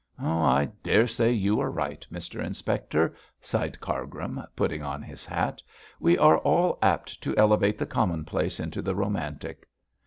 'I daresay you are right, Mr Inspector,' sighed Cargrim, putting on his hat. 'We are all apt to elevate the commonplace into the romantic.'